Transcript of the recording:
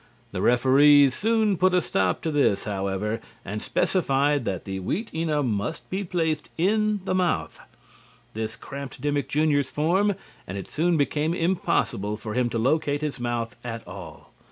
The referees soon put a stop to this, however, and specified that the Wheatena must be placed in the mouth. This cramped Dimmick Junior's form and it soon became impossible for him to locate his mouth at all.